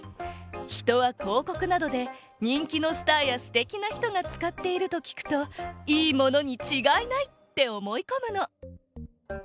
人はこうこくなどで人気のスターやステキな人がつかっているときくといいものにちがいないっておもいこむの。